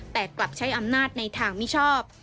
แต่กลับใช้อำนาจในทางมิชอบ